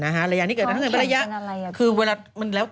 ความแข็งเป็นอะไร